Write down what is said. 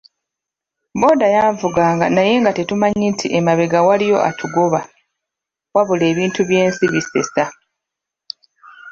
Bbooda yanvuganga naye nga tetumanyi nti emabega waliyo atugoba. Wabula ebintu by'ensi bisesa!